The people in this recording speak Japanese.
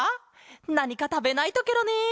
なにかたべないとケロね。